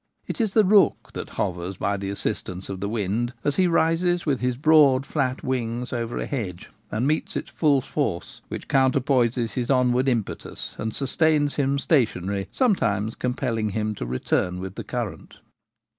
It is the rook that hovers by the assis tance of the wind as he rises with his broad, flat wings over a hedge and meets its full force, which counter poises his onward impetus and sustains him station ary, sometimes compelling him to return with the current.